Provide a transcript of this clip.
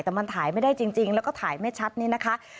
แต่มันถ่ายไม่ได้จริงแล้วก็ถ่ายไม่ชัดนี่นะคะ